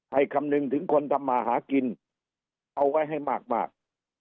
คำนึงถึงคนทำมาหากินเอาไว้ให้มาก